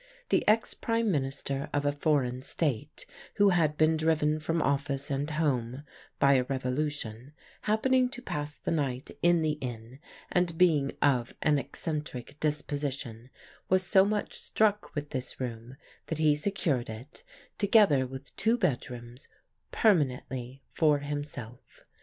The ex Prime Minister of a foreign state, who had been driven from office and home by a revolution, happening to pass the night in the inn and being of an eccentric disposition, was so much struck with this room that he secured it, together with two bedrooms, permanently for himself.